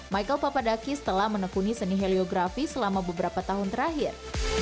michael papadakis telah menekuni seni heliografi selama beberapa tahun terakhir